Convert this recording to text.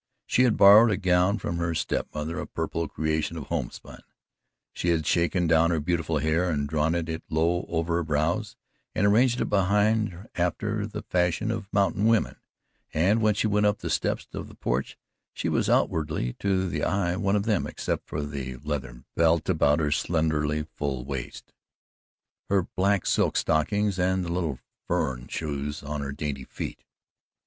She had borrowed a gown from her step mother a purple creation of home spun she had shaken down her beautiful hair and drawn it low over her brows, and arranged it behind after the fashion of mountain women, and when she went up the steps of the porch she was outwardly to the eye one of them except for the leathern belt about her slenderly full waist, her black silk stockings and the little "furrin" shoes on her dainty feet.